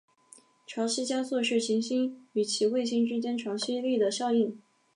潮汐加速是行星与其卫星之间潮汐力的效应。